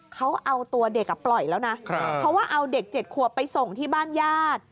เขาเอาตัวเด็กปล่อยแล้วนะเพราะว่าเอาเด็ก๗ขวบไปส่งที่บ้านญาติ